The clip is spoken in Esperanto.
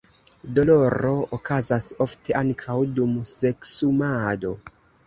Doloro okazas ofte ankaŭ dum seksumado.